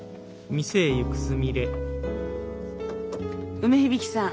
梅響さん